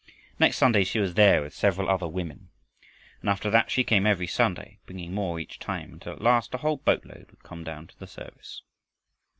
Next Sunday she was there with several other women. And after that she came every Sunday, bringing more each time, until at last a whole boat load would come down to the service.